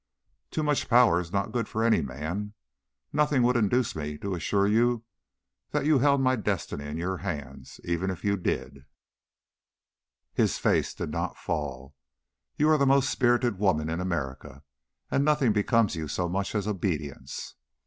"Too much power is not good for any man! Nothing would induce me to assure you that you held my destiny in your hands, even did you!" His face did not fall. "You are the most spirited woman in America, and nothing becomes you so much as obedience."